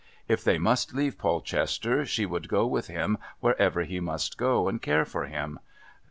If they must leave Polchester she would go with him wherever he must go, and care for him.